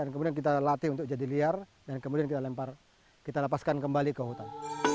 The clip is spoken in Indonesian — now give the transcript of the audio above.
kemudian kita latih untuk jadi liar dan kemudian kita lepaskan kembali ke hutan